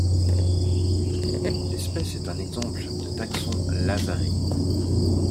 L'espèce est un exemple de taxon Lazare.